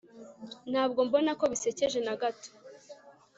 ntabwo mbona ko bisekeje na gato